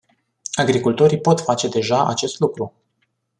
Agricultorii pot face deja acest lucru.